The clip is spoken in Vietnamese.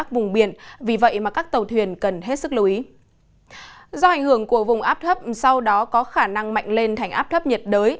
do ảnh hưởng của vùng áp thấp sau đó có khả năng mạnh lên thành áp thấp nhiệt đới